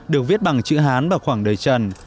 được viết bằng chữ hán vào khoảng đời trần